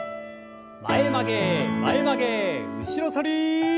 前曲げ前曲げ後ろ反り。